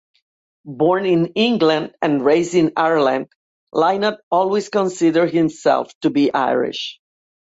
Born in England and raised in Ireland, Lynott always considered himself to be Irish.